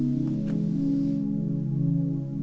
mulai sekarang mau dibiasain